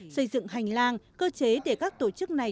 xây dựng hành lang cơ chế để các tổ chức này